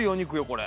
これ。